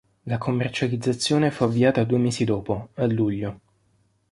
La commercializzazione fu avviata due mesi dopo, a luglio.